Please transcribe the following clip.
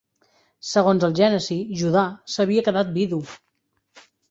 Segons el Gènesi, Judà s'havia quedat vidu.